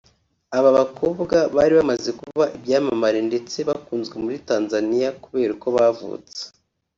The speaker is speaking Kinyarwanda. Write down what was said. Aba bakobwa bari bamaze kuba ibyamamare ndetse bakunzwe muri Tanzania kubera uko bavutse